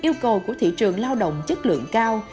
yêu cầu của thị trường lao động chất lượng cao